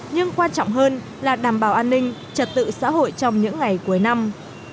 nhưng quan trọng hơn là đảm bảo an ninh trật tự xã hội trong những ngày cuối năm